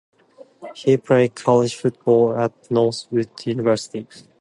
He played college football at Northwood University.